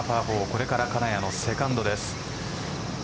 これから金谷のセカンドです。